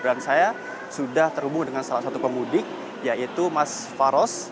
dan saya sudah terhubung dengan salah satu pemudik yaitu mas faros